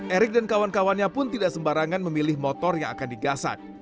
erick dan kawan kawannya pun tidak sembarangan memilih motor yang akan digasak